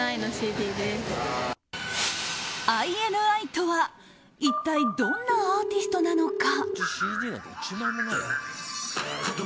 ＩＮＩとは一体どんなアーティストなのか？